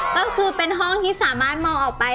ก็คือเป็นห้องที่สามารถมองออกไป